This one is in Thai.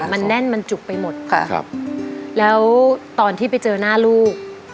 มันแน่นมันจุกไปหมดค่ะครับแล้วตอนที่ไปเจอหน้าลูก